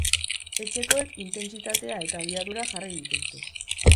Etxekoek intentsitatea eta abiadura jarri dituzte.